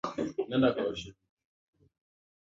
Alipitia dukani kumsalimu Mohammed